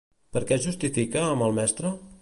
Per què es justifica amb el mestre?